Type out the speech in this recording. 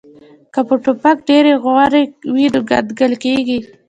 که په ټوپک ډیر غوړي وي نو کنګل کیږي